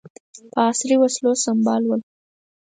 په عصري وسلو سمبال ول.